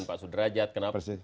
pak sudrajat kenapa